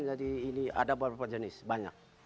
jadi ini ada beberapa jenis banyak